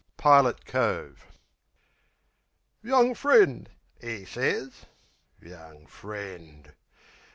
Pilot Cove Young friend," 'e sez...Young friend!